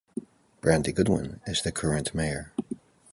Brandy Goodwin is the current mayor.